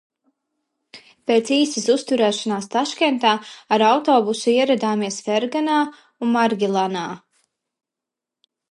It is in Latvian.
Pēc īsas uzturēšanās Taškentā ar autobusu ieradāmies Ferganā un Margilanā.